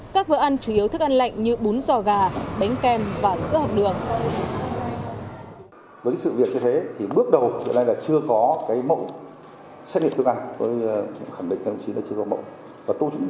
các bữa ăn chủ yếu thức ăn lạnh như bún giò gà bánh kem và sữa học đường